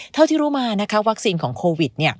เท่าที่รู้มานะคะวัคซีนของโควิด